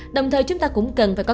đồng thời chúng ta cũng cần phải có